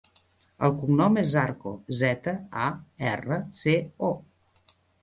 El cognom és Zarco: zeta, a, erra, ce, o.